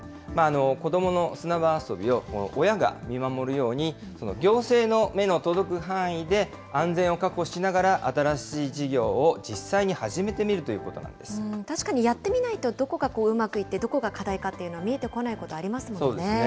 子どもの砂場遊びを親が見守るように、行政の目の届く範囲で、安全を確保しながら新しい事業を実際に始めてみるということなん確かにやってみないと、どこがうまくいって、どこが課題かっていうのは見えてこないことありそうですね。